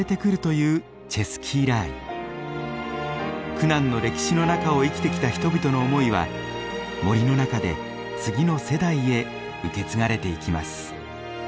苦難の歴史の中を生きてきた人々の思いは森の中で次の世代へ受け継がれていきます。